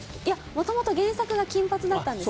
元々原作が金髪だったんです。